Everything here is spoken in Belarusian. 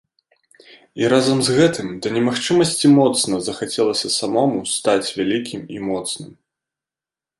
І разам з гэтым да немагчымасці моцна захацелася самому стаць вялікім і моцным.